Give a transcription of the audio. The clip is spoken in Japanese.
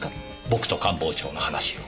僕と官房長の話を。